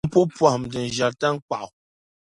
M po pɔhim din ʒiεri taŋkpaɣu